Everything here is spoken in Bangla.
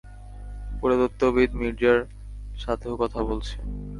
পুরাতত্ত্ববিদ মির্জার, সাথেও কথা বলছে।